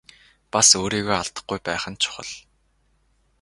Бас өөрийгөө алдахгүй байх нь чухал.